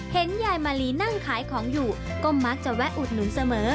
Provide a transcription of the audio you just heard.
เห็นยายมาลีนั่งขายของอยู่ก็มักจะแวะอุดหนุนเสมอ